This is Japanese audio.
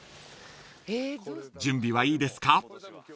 ［準備はいいですか？］